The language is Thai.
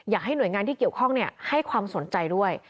อยากให้หน่วยงานที่เกี่ยวข้องให้ความสนใจด้วย